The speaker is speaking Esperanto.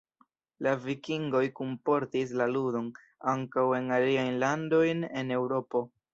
La Vikingoj kunportis la ludon ankaŭ en aliajn landojn de Eŭropo.